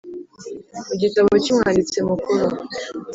mu gitabo cy Umwanditsi Mukuru